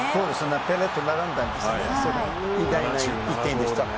ペレと並んだんですよね。